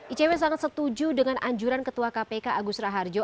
icw sangat setuju dengan anjuran ketua kpk agus raharjo